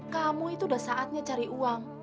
kamu itu udah saatnya cari uang